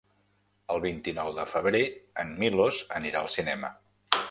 El vint-i-nou de febrer en Milos anirà al cinema.